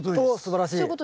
おすばらしい。